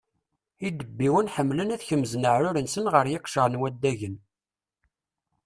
Idebbiwen ḥemmlen ad kemzen aεrur-nsen ɣer yiqcer n waddagen.